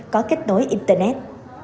có kết nối internet